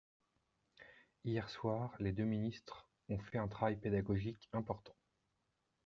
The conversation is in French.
Hier soir, les deux ministres ont fait un travail pédagogique important.